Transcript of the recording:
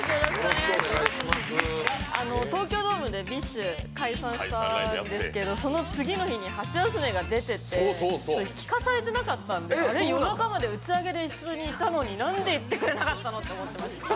東京ドームでＢｉＳＨ、解散したんですけどその次の日にハシヤスメが出てて聞かされてなかったんで夜中まで一緒に打ち上げいたのになんで言ってくれなかったの！？って思ってました。